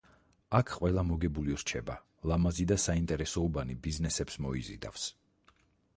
აქ ყველა მოგებული რჩება: ლამაზი და საინტერესო უბანი ბიზნესებს მოიზიდავს.